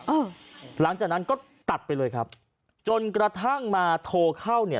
อ่าหลังจากนั้นก็ตัดไปเลยครับจนกระทั่งมาโทรเข้าเนี่ย